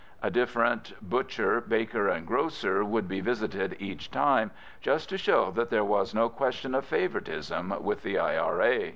A different butcher, baker, and grocer would be visited each time, just to show that there was no question of favouritism with the I.R.A.